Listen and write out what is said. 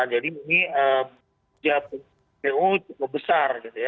jadi ini perjalanan pu cukup besar